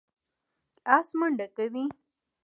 آس منډه کوي.